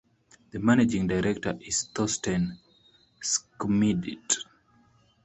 The managing director is Thorsten Schmidt.